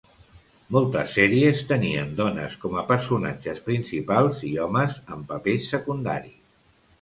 Moltes sèries tenien dones com a personatges principals i homes en papers secundaris.